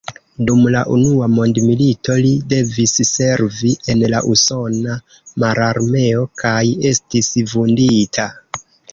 Dum la Unua Mondmilito li devis servi en la usona mararmeo kaj estis vundita.